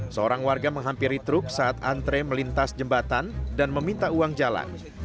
seorang warga menghampiri truk saat antre melintas jembatan dan meminta uang jalan